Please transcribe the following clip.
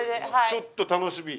ちょっと楽しみ。